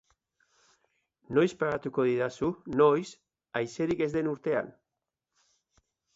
—Noiz pagatuko didazu? —Noiz?, haizerik ez den urtean.